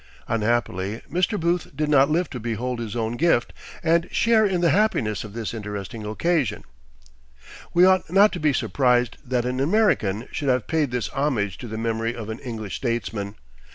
Unhappily Mr. Booth did not live to behold his own gift and share in the happiness of this interesting occasion. We ought not to be surprised that an American should have paid this homage to the memory of an English statesman.